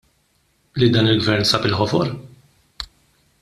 Li dan il-Gvern sab il-ħofor?